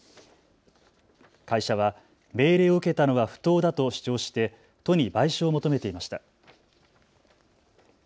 会社は命令を受けたのは不当だと主張して都に賠償を求めていました。